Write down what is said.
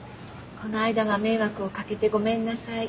この間は迷惑を掛けてごめんなさい。